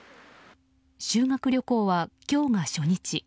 修学旅行は今日が初日。